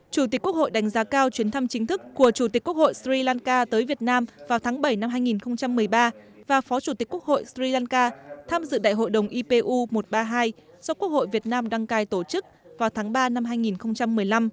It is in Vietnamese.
chủ tịch quốc hội đánh giá cao chuyến thăm chính thức của chủ tịch quốc hội sri lanka tới việt nam vào tháng bảy năm hai nghìn một mươi ba và phó chủ tịch quốc hội sri lanka tham dự đại hội đồng ipu một trăm ba mươi hai do quốc hội việt nam đăng cai tổ chức vào tháng ba năm hai nghìn một mươi năm